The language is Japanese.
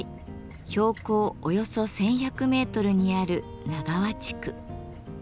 標高およそ１，１００メートルにある奈川地区。